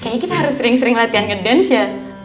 kayaknya kita harus sering sering latihan ngedance ya